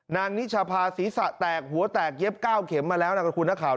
นิชภาศีรษะแตกหัวแตกเย็บ๙เข็มมาแล้วนะครับคุณนักข่าว